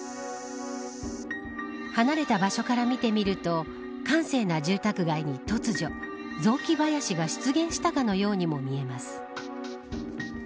離れた場所から見てみると閑静な住宅街に突如、雑木林が出現したかのようにも見えます。